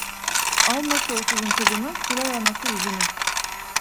Alma soysuzun kızını, sürer anası izini.